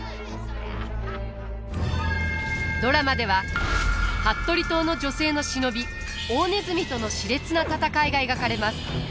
ドラマでは服部党の女性の忍び大鼠とのしれつな戦いが描かれます。